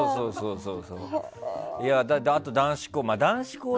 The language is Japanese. あとは男子校で。